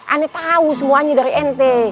ane tau semuanya dari ente